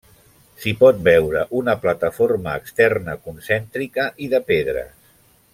S'hi pot veure una plataforma externa concèntrica i de pedres.